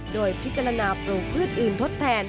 โดยพิจารณาปลูกพืชอื่นทดแทน